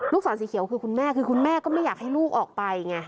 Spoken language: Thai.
ศรสีเขียวคือคุณแม่คือคุณแม่ก็ไม่อยากให้ลูกออกไปไง